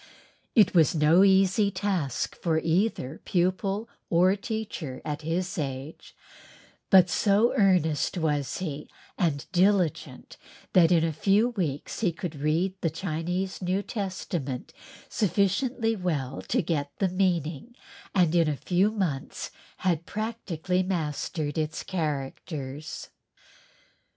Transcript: It was no easy task for either pupil or teacher at his age, but so earnest was he and diligent that in a few weeks he could read the Chinese New Testament sufficiently well to get the meaning and in a few months had practically mastered its "characters."